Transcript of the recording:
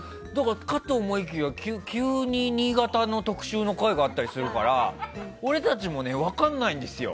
かと思いきや、急に新潟の特集の回があったりするから俺たちも分からないんですよ。